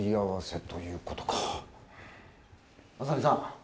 浅見さん。